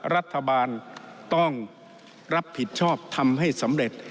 รัฐบาลต้องรับผิดชอบทำให้สำเร็จ